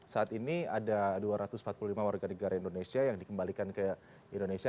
saat ini ada dua ratus empat puluh lima warga negara indonesia yang dikembalikan ke indonesia